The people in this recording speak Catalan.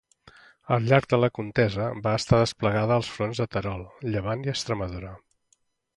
Al llarg de la contesa va estar desplegada als fronts de Terol, Llevant i Extremadura.